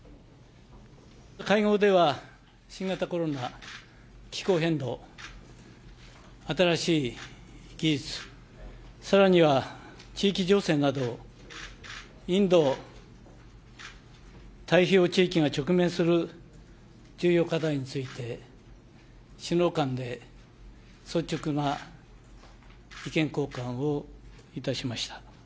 会合では新型コロナ、気候変動、新しい技術、さらには地域情勢など、インド太平洋地域が直面する重要課題について、首脳間で率直な意見交換をいたしました。